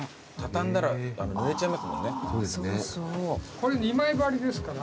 これ２枚張りですから。